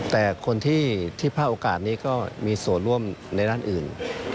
แต่คนที่พลาดโอกาสนี้ก็มีส่วนร่วมในด้านอื่น